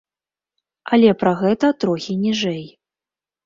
Але пра гэта трохі ніжэй.